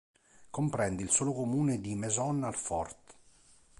Comprende il solo comune di Maisons-Alfort.